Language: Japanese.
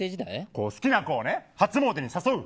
好きな子を初詣に誘う。